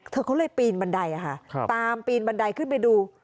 เขาเลยปีนบันไดค่ะตามปีนบันไดขึ้นไปดู